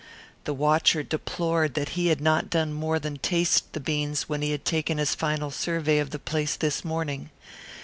The watcher deplored that he had not done more than taste the beans when he had taken his final survey of the place this morning.